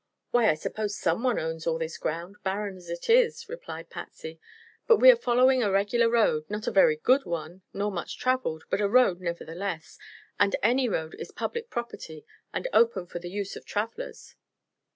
"Why, I suppose someone owns all this ground, barren as it is," replied Patsy. "But we are following a regular road not a very good one, nor much traveled; but a road, nevertheless and any road is public property and open for the use of travelers."